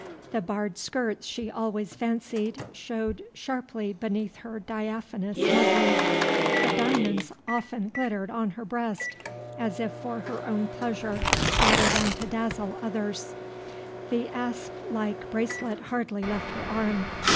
The barred skirts she always fancied showed sharply beneath her diaphanous muslins; the diamonds often glittered on her breast as if for her own pleasure rather than to dazzle others; the asp like bracelet hardly left her arm.